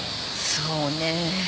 そうね。